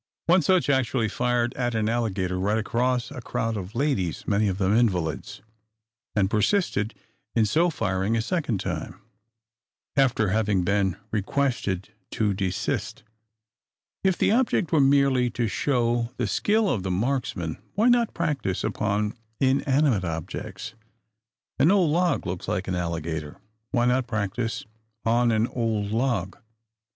One such actually fired at an alligator right across a crowd of ladies, many of them invalids; and persisted in so firing a second time, after having been requested to desist. If the object were merely to show the skill of the marksman, why not practise upon inanimate objects? An old log looks much like an alligator: why not practise on an old log?